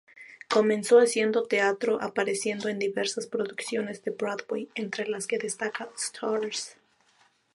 Comenzó haciendo teatro, apareciendo en diversas producciones de Broadway, entre las que destaca"Stars".